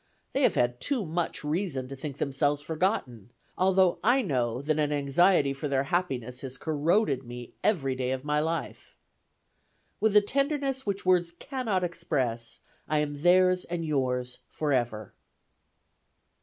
They have had too much reason to think themselves forgotten, although I know that an anxiety for their happiness has corroded me every day of my life. "With a tenderness which words cannot express, I am theirs and yours forever."